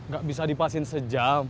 gak bisa dipasin sejam